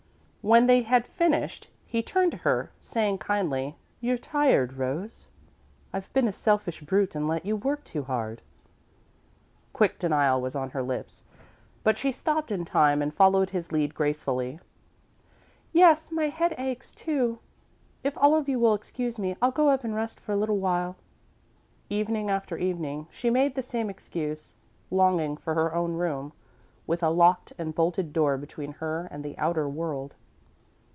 When they had finished, he turned to her, saying, kindly: "You're tired, Rose. I've been a selfish brute and let you work too hard." Quick denial was on her lips, but she stopped in time and followed his lead gracefully. "Yes, and my head aches, too. If all of you will excuse me, I'll go up and rest for a little while." Evening after evening, she made the same excuse, longing for her own room, with a locked and bolted door between her and the outer world.